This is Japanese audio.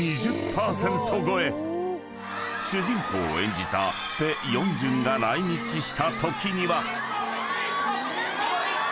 ［主人公を演じたペ・ヨンジュンが来日したときには］